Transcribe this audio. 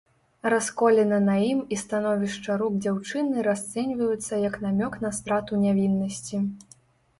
Расколіна на ім і становішча рук дзяўчыны расцэньваюцца як намёк на страту нявіннасці.